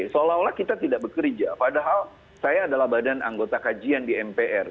seolah olah kita tidak bekerja padahal saya adalah badan anggota kajian di mpr